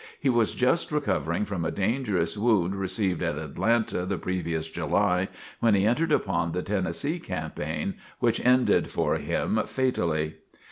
He was just recovering from a dangerous wound received at Atlanta the previous July when he entered upon the Tennessee campaign, which ended for him fatally.